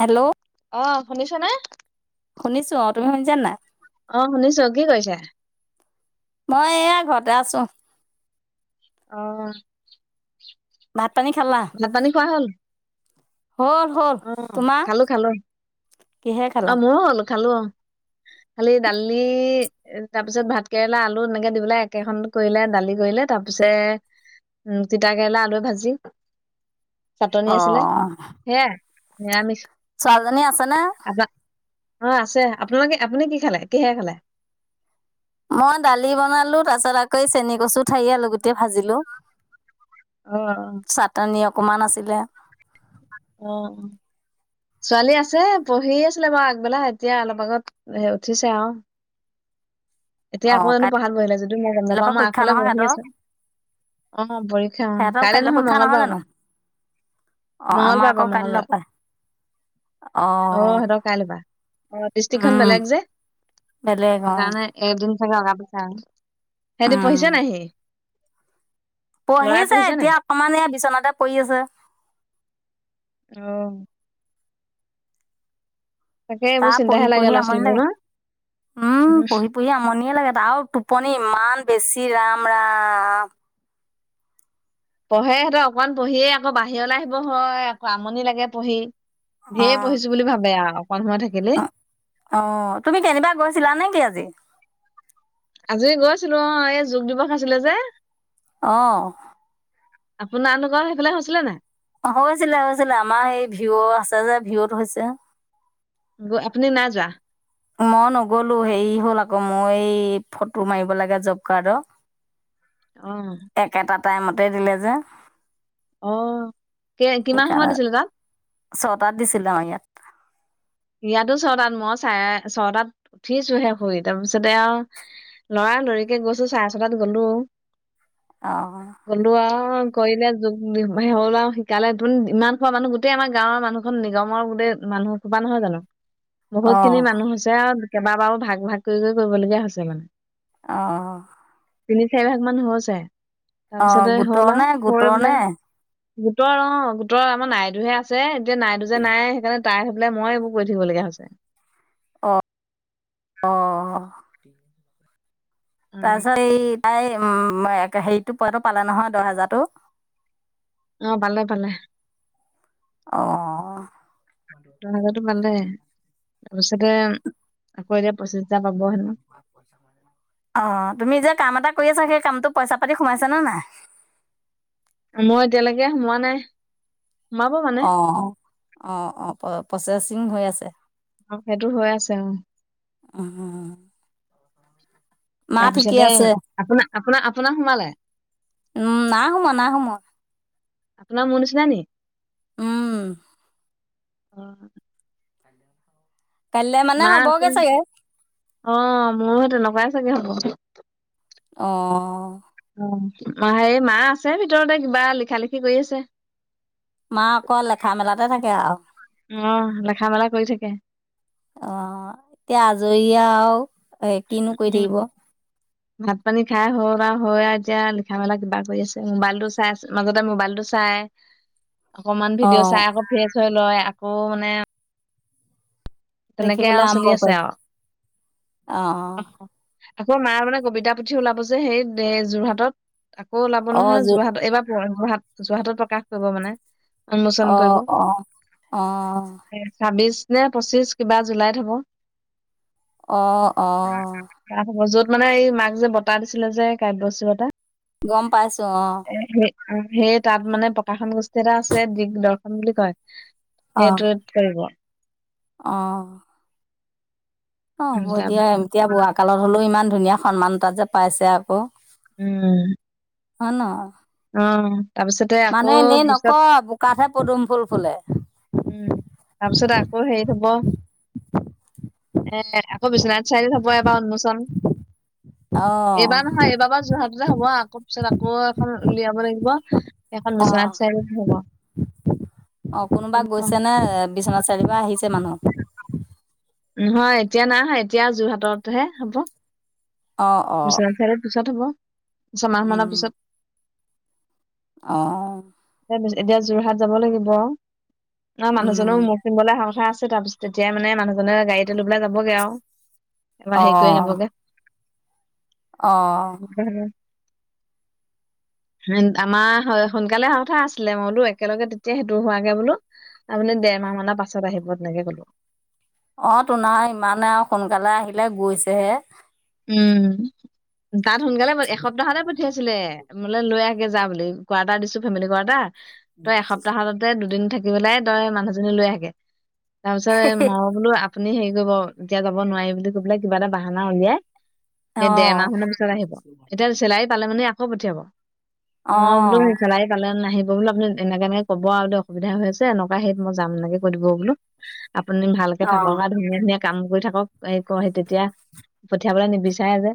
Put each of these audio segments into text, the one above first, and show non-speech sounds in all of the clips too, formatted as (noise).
Hello. অ', শুনিছ' নে? শুনিছো অ', তুমি শুনিছা নাই? অ', শুনিছো কি কৰিছা? মই এয়া ঘৰতে আছো। অ'। মাত ভাত পানী খোৱা হ'ল। হ'ল হ'ল অ', তোমাৰ খালো, খালো কিহে খালা আৰু মইয় অলপ খালো অ', খালি দালি তাৰ পিছত ভাত কেৰেলা, আলু এনেকে দি পেলাই একেখন কৰিলে দালি কৰিলে তাৰ পিছ উম, তিতা কেৰেলা আলু ভাজি। চাটনি অ আছিলে সেয়া। নিৰামিষ ছোৱালীজনি আছেনে? আপনা অ', আছে আপোনালোকে আপুনি কি খালে, কিহে খালে? মই দালি বনালো তাৰ পাছত আকৌ চেনি কচু ঠাৰি আলু গোটেই ভাজিলো। অ'। কমা নাছিলে। অ', ছোৱালী আছে পঢ়ি আছিলে বাৰু আগবেলা এতিয়া অলপ আগত উঠিছে আৰু। এতিয়া অ আকৌ জানো পাহ বহিলে যদিও মই গম কাইলৈৰ নাপাওঁ পৰা মই পৰীক্ষা আগফালে নহয় বহি সিহঁতৰ আছো অ', পৰীক্ষা অ', সিহঁতৰ কাইলে কাইলৈ নহয় পৰীক্ষা মংগলবাৰ জানো পা অ আমাৰ মংগলবাৰ আকৌ পৰা কাইলৈ মংগলবাৰ পৰা অ', সিহতৰ কাই বা অ', ডিষ্ট্ৰিক্খন উম বেলেগ যে বেলেগ সেইটো অ কাৰণে (unintelligible) অগা পিছা সিহঁতে উম পঢ়িছে নেহি পঢ়িছে নাই এতিয়া অকমান এয়া বিচনাতে পৰি আছে। অ'। তাকে এইবোৰ তাৰ চিন্তাহে পঢ়ি, লাগে পঢ়ি ল'ৰা আমনি ছোৱালীবোৰ লাগে ন উম, উম পঢ়ি, পঢ়ি আমনিয়ে লাগে তাৰ টোপনি ইমান বেছি ৰাম, ৰাম। পঢ়ে সিহঁতৰ অকমান পঢ়িয়ে আকৌ বাহিৰলৈ আহিব হয় আকৌ আমনি লাগে পঢ়ি। অ ঢেৰ পঢ়িছো বুলি ভাবে আৰু। অকন সময় থাকিলে অ', অঁ তুমি কেনিবা গৈছিলা নেকি, আজি? আজি গৈ আছিলো অঁ, এই যোগ দিৱস আছিলে যে। অঁ। আপোনাৰনুৱ সেইফালে হৈছিলে নাই? হৈছিলে হৈছিলে, আমাৰ এই ভিউ আছে যে, ভিউুত হৈছে। আপুনি নায় যোৱা? মই নগলো, হেৰি হ'ল আকৌ মই এই ফটো মাৰিব লাগে জব কাৰ্ডৰ। আহ। একেটা টাইমতে দিলে যে। আঁ, কি কিমান সময়ত সেইকাৰণে দিছিলো তাত? ছটাত দিছিলে আমাৰ ইয়াত ইয়াতো চটাত, মই চাৰে ছটাত উঠিছো শে শুই, তাৰ পিছতে আৰু, লৰা লৰিকে গৈছো চাৰে চটাত গলো অঁহ। অঁ কৰিলে যোগ হে হল আৰু শিকালে তে ইমান খোৱা মানুহ গোটেই আমাৰ গাঁৱৰ মানুহ খন নিগমৰ গোটেই মানুহ কা নহয় জানো। অ বহুত খিনি মানুহ হৈছে আৰু কেইবাবাৰো ভাগ ভাগ কৰি কৰি কৰিবলগীয়া হৈছে মানে। অঁ। তিনি চাৰি ভাগ মান হৈছে। অঁ, তাৰপিছতে হ'ল গোটৰ আৰু নে, হৈ গোটৰ নে? পেলাই গোটৰ অঁ, গোটৰ আমাৰ নাইদোহে আছে এতিয়া নাই দু যে নাই, সেইকাৰণে পাই বোলে মই এইবোৰ কৰি থাকিব লগগীয়া হৈছে। অঁ, অঁহ। (inaudible) উম, তাৰছত এই প্ৰায় উ'ম, হেৰিতটো পোৱটো পালে নহয়, দহ হেজাৰতো? অঁ, পালে পালে। অঁ। (inaudible) তাৰিছতে, আকৌ এতিয়া পচি অঁ, তুমি যে কাম এটা কৰি আছা, সেই কামটো পইচা পাতি সোমাইছ নে নাই? মই এতিয়ালৈকে সোমোৱা নাই সোমাব মানে অঁ, অঁ-অঁ' প্ৰচেচিং হৈ আছে সেইটো হৈ আছে, অঁ। আঁহ। তাৰপিছতে আপোনাৰ আপোনাৰ আপোনাৰ সোমালে উম না সোম না সোমোৱা আপোনাৰ মনষ্নাা নিে উম অ কাইলৈ মানে মা হ'বগে চাগে অ মোৰ স তেনেকুৱাই চাগে হ'ব অ হে মা আছে ভিতৰতে কিবা লিখা লিখি কৰি আছে মা অকল লেখা মেলাতে থাকে আৰু অ লেখা মেলা কৰি থাকে আহ এতিয়া আজৰি দয়াও এ কিনো কৰিৈ উম থাকিব ভাত পানী খাই হ আৰু হৈ আৰু এতিয়া লিখা মেলা কিবা কৰি আছে মোবাইলটো চাই আছে মাজতে মোবাইলটো চাই অকনমান ভিডিঅ অঁ চাইকৌ থ আ নিশ্চয় লয় আকৌ মানে তেনেকে দেখিবলৈ আৰু চলি আৰম্ভ আছে কৰে আৰু অ আকৌ মায় মানে কবিতা পুথি ওলাব যে সেই যোৰহাটত আকৌ ওলাব অঁ নহয় জো যোৰহাট এইবাৰ যোৰহাট যোৰহাটত প্ৰকাশ কৰিব মানে উন্মোচন কৰিব আহ অ আহ ন পঁচিছ কিবা জুলাইত হ'ব অ' অ তাত হ'ব য'ত মানে এই মাক যে বতটা দিছিলে যে কাব্যশ্ৰী বতটা গম পাইছ অ সেই তাত মানে প্ৰকাশন গোষ্ঠী এটা আছে দিগদৰ্শন বুলি কয় সেইটোোৱ কৰিব আহ উম অব দিয়া তাৰপিছত এতিয়া বোৱা কালত হলেও ইমান ধুনীয়া সন্মানতা যে পাইছে আকৌ উম অ ন অ তাৰপিছতে আকৌ মানুে এনেই নক পিছত বোকাতহে পদুম ফুল ফুলে উম তাৰপিছত আকৌ হেৰিত হব এ আকৌ বিশ্বনাথ চাৰিআিত হব এবাৰ উন্মোচন অঁ এইবাৰ নহয় এইবাৰ বাৰ যোৰহাটতে হব আকৌ পিছত আকৌ এখন উলিয়াব লাগিব এখন বিশ্বনাথ অঁ চাৰিআলিত হ'ব। গৈছে নে? বিশ্বনাথ চাৰিআলিৰ পা আহিছে মানুহ। নহয় এতিয়া নাই এতিয়া যোৰহাটতহে হ'ব। অঁ অঁ (unintelligible) পিছত হ'ব ছমাহ মানৰ পিছত অ'। (unintelligible) এতিয়া যোৰহাট যাব লাগিব। নাই মানুহজনৰও মখ কিনিবলৈ অহা কথা আছে। তাৰপিছত তেতিয়া মানে মানুহজনে গাড়ীতে লৈ পেলাই যাবগে আৰু। এবাৰ হেৰি কৰি আনিবগে। অ'। হন আমাৰ সোন সোনকালে হ কথা আছিলে মই বোলো একেলগে তেতিয়া সেইটো হোৱগে বোলো আপুনি দেৰমাহ মানৰ পাছত আহিব, তেনেকে ক'লো। অ', তো নহয় ইমানে আৰু সোনকালে আহিলে গৈছেহে। উম। তাত সোনকালে প এসপ্তাহতে পঠিয়াইছিলে। মোলে লৈ আহ গে যা বুলি কোৱাৰ্টাৰ দিছো ফেমিলি কোৱাৰ্টাৰ। তই এসপ্তাহতে দুদিন থাকি থাকি পেলে তই মানুহজনী লৈ আহগে। তাৰপিছত এ ময়ো বোলো আ আপুনি হেৰি কৰিব এতিয়া যাব নোৱাৰি বুলি কৈ পেলাই কিবা এটা বাহানা উলিয়াই এই দেৰ অঁ মাহ মানৰ পিছত আহিব, এতিয়া চেলাৰী পালে মানে আকৌ পঠিয়াব। মই বোলো অঁ চেলাৰী পালে নাহিব বো আপুনি এনেকে এনেকে ক'ব আৰু অসুবিধা হৈ আছে এনেকুৱা সেই মই যাম এনেকে কৈ দিব বোলো। আপুনি ভালকে থাকক, আ, ধুনীয়া, ধুনীয়া কাম কৰি থাকক। এই কহে তেতিয়া পঠিয়াবলে নিবিচাৰে যে।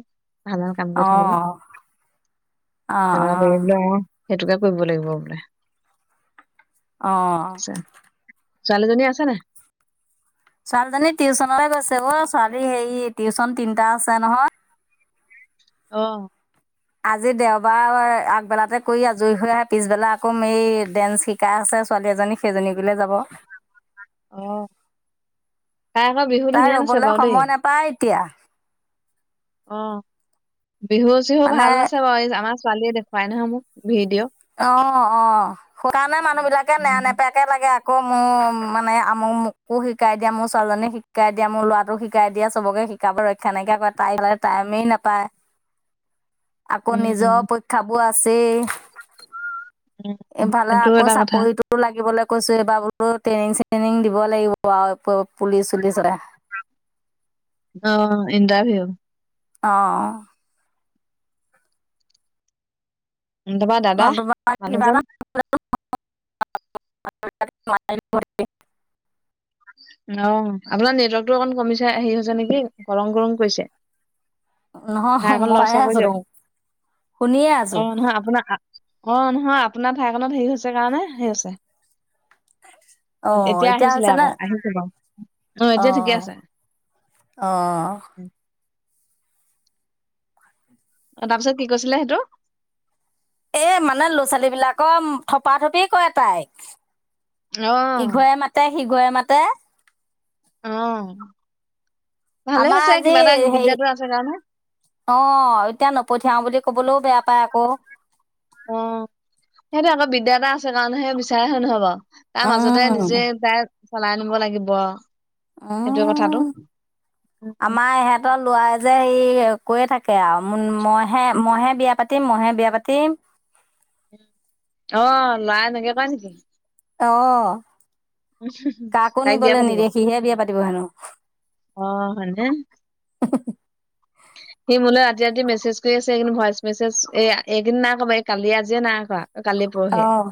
ভাল, ভাল কাম কৰি থাকিলে অঁ অঁ অঁ (unintelligible) সেইটোকে কৰিব লাগিব বোলে। অ'। আছে ছোৱালীজনী আছে নে? ছোৱালীজনী টিউচনলৈ গৈছে অ', ছোৱালী হেৰি টিউচন তিনিটা আছে নহয়। অ'। আজি দেওবাৰ আগবেলাতে কৰি আজৰি হৈ আহে পিছবেলা আকৌ এই ডেন্স শিকাই আছে ছোৱালী এজনী সেইজনীকলৈ যাব। অহ ', তাই ৰবলৈ সময় নাপায় এতিয়া। বিহু চিহু মানে ভাল নাছে বাৰু এই আমাৰ। ছোৱালীয়ে দেখুৱাই নহ মোক। ভিডিঅ'। অহ - অহ সুকাৰণে মানুহ বিলাকে নেৰা নেপেয়াকে লাগে। আকৌ মোৰ মানে আমু মোকো শিকাই দিয়া মোৰ ছোৱালীজনীক শিকাই দিয়া মোৰ লৰাটোক শিকাই দিয়া চবকে শিকাব ৰক্ষা নাইকিয়া কৰে তাই ললে টাইমেই নাপায়। আকৌ নিজৰ অহ উম, ', পক্ষাবোৰ আছে। আছে। ইফালে সেইটো আকৌ এটা কথা চাকৰিতটো লাগিবলৈ। কৈছো এইবাৰ বো ট্ৰেইনিং চেইনিং দিব লাগিব আৰু পুলিচ চুলিচৰে। আহ', ইণ্টাৰভিউ অহ ', দোবা দাদা নতুবা কিবা মানুহজন। মপ (unintelligible) অহ ', আপোনাৰ নেটৱৰ্কতটো অকমান কমিছে হেৰি হৈছে নেকি গৰম -গৰম কৰিছে। নহ ঠাই অকণ মইাই লৰচৰ কৰি আছো ৰো দিয়ক। শুনিয়ে আছো। অহ ', নহয় আপোনাৰ ঠাইখনত হেৰি হৈছে কাৰণে সেই আহ ', হৈছে। অহ ', এতিয়া আহিছে নে। আহিছো বাৰু অহ ', এতিয়া ঠিকে আছে। অঁ অহ ', তাৰপিছত কি কৈছিলে সেইটো? এ মানে ল'ৰা ছোৱালী বিলাকৰ থপা থপি কয় তাইক। অহ ', শিগয়ে মাতে উম', আমাৰ আজি হেৰি আছে কাৰণে অহ ', এতিয়া নপঠ খাওঁ বুলি ক'বলৈও বেয়া পায় আকৌ। অহ ', সেইটো আকৌ বিদ্যা এটা আছে কাৰণ সেই বিচাৰে হয় নহয় বাৰু। তাৰ মাজতে উম নিজে ত চলাই আনিব লাগিব। সেইটো কথাটো উম', উম, আমাৰ ইহতৰ লৰাই যে হেৰি কৈয় থাকে আৰু মইহে মইহে বিয়া পাতিম মইহে বিয়া পাতিম। অহ ', লৰাই নক কা নেকি অহ ', কাকো তাইক নিবলৈ নিদিয় সিহে বিয়া পাতিব হেনো। অহ ', হয়নে (inaudible) সি মোলৈ ৰাতি ৰাতি মেছেজ কৰি আছে এইকেদিন ভইচ মেছেজ এই এইকেদিন নাই কৰা এই কালিয়ে আজিয়ে নাই কৰা। কালি পৰহিয়ে অ',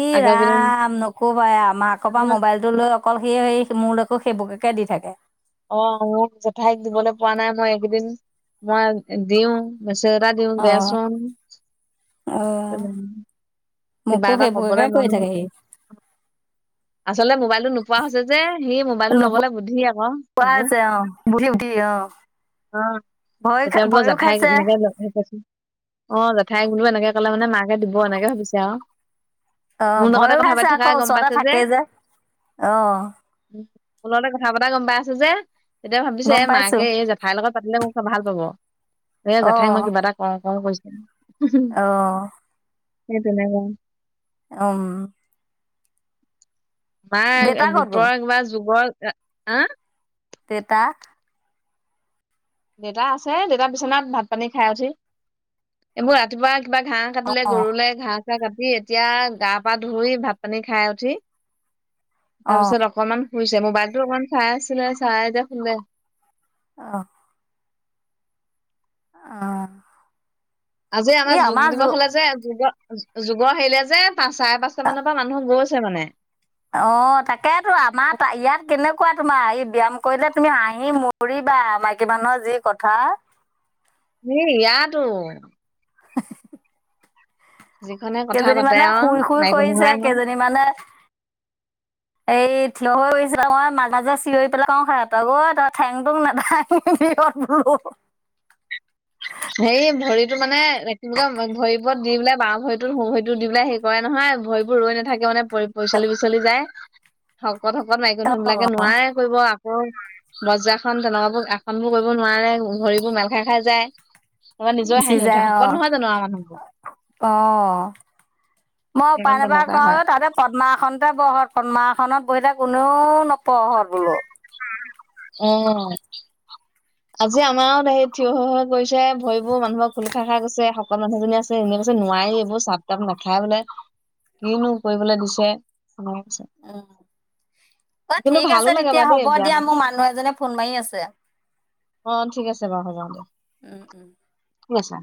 ই আগৰ কেইদিন ৰাম নক'বাই মাকৰ অ পৰা মোবাইলটো লৈ অকল সি হে মোৰ সেইবোৰকেকে দি থাকে। অ', মোক জেঠাইক দিবলৈ পোৱা নাই মই এইকেইদিন, মই দিওঁ। মেছেজ এটা দিওঁ অ', দেচোন। অ'। কিবা মোকো এটা কবলৈ সেইবোৰকে মন কৰি থাকে গৈছে সি। আচলতে মোবাইলটো নোপোৱা হৈছে যে সি মোবাইলটো ল'বলৈ নোপোৱা বুদ্ধি আকৌ সেবোৰ। হৈছে অঁ বুদ্ধি উঠি অঁ অ', ভয় খা তেতিয়া মই ভয়ো জেঠাই খাইছে এনেকেন (unintelligible) অ', জেঠাইক বোলো এনেকে ক'লে মানে মাকে দিব এনেকে ভাবিছে আৰু। অ', মোৰ লগতে ভয়ো কথা খাইছে পাতি থকা আকৌ গম ওচৰতে পাইছে থাকেই যে। অ'। মোৰ লগতে কথা পতা গম পাই আছে যে। তেতিয়া ভাবিছে এ গম পাইছো মাকে এই জেঠাইৰ লগত পাতিলে মোক ভাল পাব। এ জেঠাইক মই কিবা এটা কওঁ কওঁ কৈছ উম। অ'। সেই তেনেকোৱা। উম। মাৰ দেউতা ক'ত গ'ল গোটৰক বা যুগৰ ৰা আহ। তেতা দেউতা আছে দেউতা বিচনাত ভাত পানী খাই উঠি। এইবোৰ ৰাতিপুৱা কিবা ঘাঁহ কাটিলে অঁ গৰুলে ঘাঁহ চাহ কাটি এতিয়া গা-পা ধুই ভাত পানী খাই উঠি তাৰ অঁ পিছত অকনমান শুইছে। মোবাইল টো অকনমান চাই আছিলে চাই এতিয়া শুলে। অ। অ'। আজি আমাৰ যোগ দিৱস হলে যে যোগৰ যোগৰ হেৰিলে যে চাৰে পাঁচটা মানৰ পৰা মানুহ গৈছে ছে মানে। অঁ তাকেইেতো আমাৰ ইয়াত কেনেকা কোৱা তোমাৰ ই ব্যায়াম কৰিলে তুমি হাঁহি - হাঁহি মৰিবা, মাইকী মানুহৰ যি কথা। হেই ইয়াটো। (unintelligible) যিখনে কথা কেইজনী পাতে মানে আৰু শুই-শুই মাইকী কৰিছে, মানুহে কেইজনী মানে এই থিয় হৈ মই মাজতে চিঞৰি পেলাই কওঁ হে তগৰ তই ঠেংটো নাভাঙিবি। হেৰি ভৰিতো মানে কি বুলি কয় ভৰিবোৰত দি পেলাই বাঁ ভৰিতত শো ভৰিতো দি পেলাই হে কৰে নহয় ভৰিবোৰ ৰৈ নাথাকে মানে পিছলি পিচলি যায় (inaudible) শকত-শকত মাইকী অঁ মানুহবিলাকে নোৱাৰে কৰিব। বজ্ৰাশন তেনেকুৱাবোৰ আসন বোৰ কৰিব নোৱাৰে, ভৰিবোৰ মেল খাই- খাই যায়। তাৰপৰা নিজৰে চি হাঁহি উঠে যাই শকত অ- নহয় জানো আৰু মানুহবোৰ অ, মই উপায় সেইকাৰণে নাপাই তেনেকুৱা কওঁ হয় আৰু তাতে পদ্মাসনতে বহক, পদ্মাসনত বহিলে কোনেও ন পহ বলো। অঁ আজি আমাৰো হেৰি থিয় হৈ-হৈ গৈছে, ভৰিবোৰ মানুহৰ খোল খাই - খাই গৈছে মানুহজনী আছে এনে কৈছে নোৱাৰে এইবোৰ চাব তাৰপা নাখাই বোলে, কিনো কৰিবলে দিছে। তেনেকে কৈছে উম, অ' কিন্তু ঠিক ভালো আছে লাগে তেতিয়া বাৰু হ'ব দেই ব্যায়াম দিয়া মোৰ মানুহ এজনে ফোন মাৰি আছে। অঁ ঠিক আছে বাৰু হ'ব দিয়া। উম উম। ঠিক আছে।